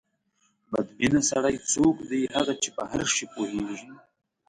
بد بینه سړی څوک دی؟ هغه چې په هر شي پوهېږي.